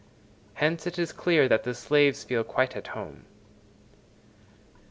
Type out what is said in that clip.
Hence, it is clear that the slaves feel quite at home.